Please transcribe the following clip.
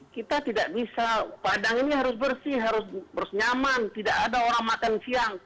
kita tidak bisa padang ini harus bersih harus nyaman tidak ada orang makan siang